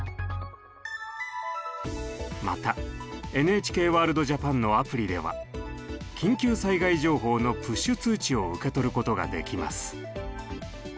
また「ＮＨＫワールドＪＡＰＡＮ」のアプリでは緊急災害情報のプッシュ通知を受け取ることができます。